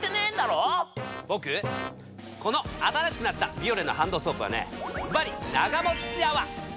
ボクこの新しくなったビオレのハンドソープはねズバリながもっち泡！